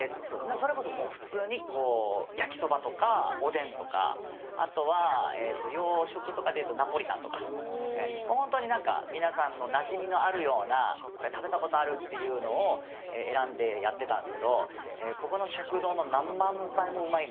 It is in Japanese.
それこそもう普通に焼きそばとかおでんとかあとは洋食とかでいうとナポリタンとか本当に何か皆さんのなじみのあるようなこれ食べたことあるっていうのを選んでやってたんですけどここの食堂の何万倍もうまいみたいな。